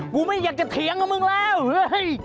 ไม่อยากจะเถียงกับมึงแล้วเฮ้ย